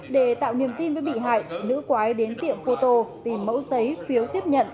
để tạo niềm tin với bị hại nữ quái đến tiệm photo tìm mẫu giấy phiếu tiếp nhận